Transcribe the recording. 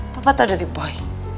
papa tau dari boy